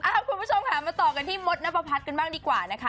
คุณผู้ชมค่ะมาต่อกันที่มดนับประพัฒน์กันบ้างดีกว่านะคะ